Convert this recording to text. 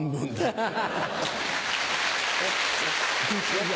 ハハハハ！